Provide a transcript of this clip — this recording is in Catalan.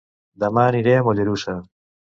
Dema aniré a Mollerussa